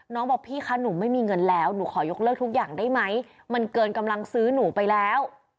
บอกพี่คะหนูไม่มีเงินแล้วหนูขอยกเลิกทุกอย่างได้ไหมมันเกินกำลังซื้อหนูไปแล้ว